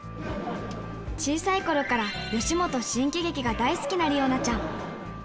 小さいころから吉本新喜劇が大好きな理央奈ちゃん。